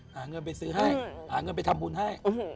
หาเงินไปซื้อให้หาเงินไปทำบุญให้